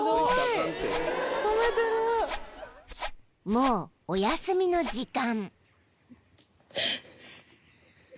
［もうおやすみの時間］